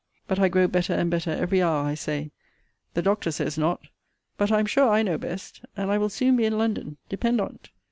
But I grow better and better every hour, I say: the doctor says not: but I am sure I know best: and I will soon be in London, depend on't.